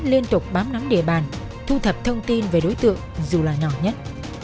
liên tục bám nắm địa bàn thu thập thông tin về đối tượng dù là nhỏ nhất